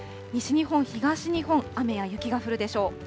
西日本、東日本、雨や雪が降るでしょう。